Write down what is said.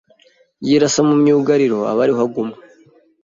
yirasa mu myugariro aba ariho aguma